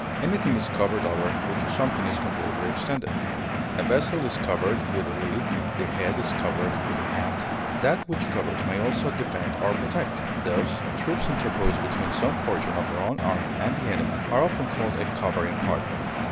Anything is covered over which something is completely extended; a vessel is covered with a lid; the head is covered with a hat. That which covers may also defend or protect; thus, troops interposed between some portion of their own army and the enemy are often called a covering party.